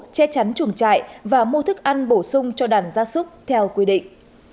che chắn chuồng trại và mua thức ăn bổ sung cho đàn gia súc theo quy định